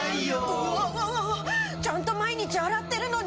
うわわわわちゃんと毎日洗ってるのに。